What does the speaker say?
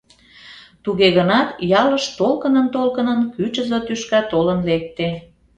Туге гынат ялыш толкынын-толкынын кӱчызӧ тӱшка толын лекте.